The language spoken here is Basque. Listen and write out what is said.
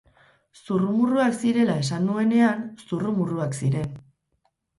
Zurrumurruak zirela esan nuenean, zurrumurruak ziren.